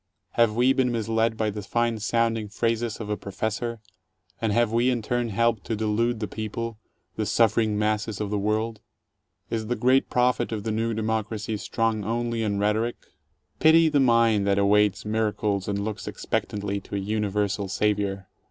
Have we been misled by the fine sounding phrases of a Professor, and have we in turn helped to delude the people, the suffering masses of the world? Is the great prophet of the New Democracy strong only in rhetoric? Pity the mind that awaits miracles and looks expectantly to a universal Savior.